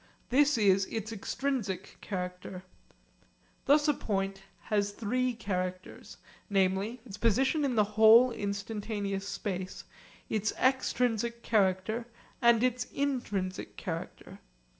This is its extrinsic character. Thus a point has three characters, namely, its position in the whole instantaneous space, its extrinsic character, and its intrinsic character.